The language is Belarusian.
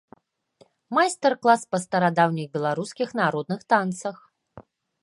Майстар-клас па старадаўніх беларускіх народных танцах.